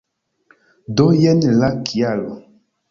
Do jen la kialo!